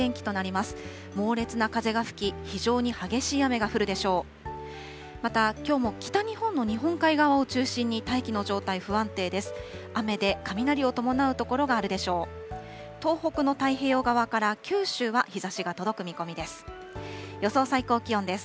また、きょうも北日本の日本海側を中心に、大気の状態不安定です。